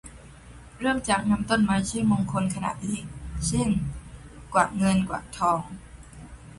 เริ่มจากนำต้นไม้ชื่อมงคลขนาดเล็ก เช่น กวักเงินกวักทอง